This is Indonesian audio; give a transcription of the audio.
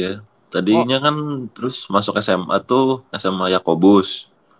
ya tadinya kan terus masuk sma tuh sma yakobus